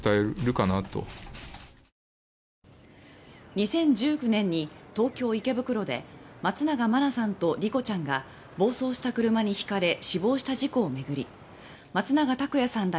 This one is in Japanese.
２０１９年に東京・池袋で松永真菜さんと莉子ちゃんが暴走した車に轢かれ死亡した事故を巡り松永拓也さんら